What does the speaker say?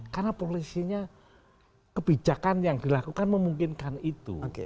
karena polisinya kebijakan yang dilakukan memungkinkan itu